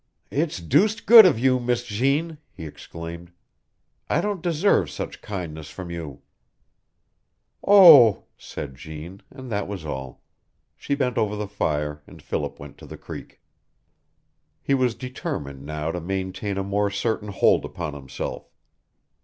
"It's deuced good of you, Miss Jeanne!" he exclaimed. "I don't deserve such kindness from you." "Oh!" said Jeanne, and that was all. She bent over the fire, and Philip went to the creek. He was determined now to maintain a more certain hold upon himself.